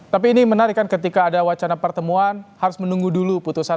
tapi ini menarik kan ketika ada wacana pertemuan harus menunggu dulu putusan